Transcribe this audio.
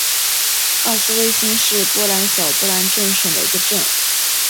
奥斯威辛是波兰小波兰省的一个镇。